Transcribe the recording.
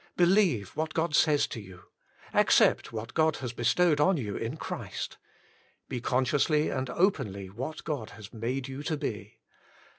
Believe what God says to you. Ac cept what God has bestowed on you in Christ. Be consciously and openly what God has made you to be.